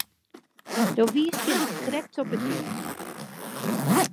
Do wiest hjir noch krekt op 'e tiid.